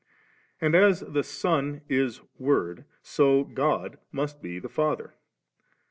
And as the ' Son' is 'Word,' so 'God' must be ' the Father.'